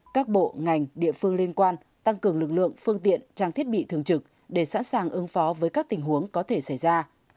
các bộ ngành địa phương liên quan tăng cường lực lượng phương tiện trang thiết bị thường trực để sẵn sàng ứng phó với các tình huống có thể xảy ra